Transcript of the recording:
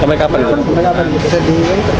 sampai perbaikan selesai